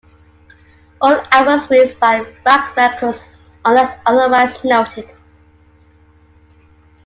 All albums released by Rak Records unless otherwise noted.